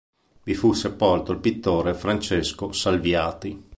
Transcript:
Vi fu sepolto il pittore Francesco Salviati.